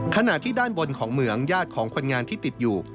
ขณะที่ด้านบนของเหมืองญาติของคนงานที่ติดอยู่